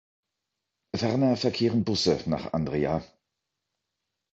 Ferner verkehren Busse nach Andria.